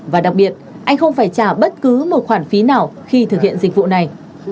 và đặc biệt anh không phải trả bất cứ một khoản phí nào khi thực hiện dịch vụ này